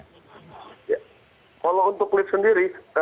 kalau untuk lift sendiri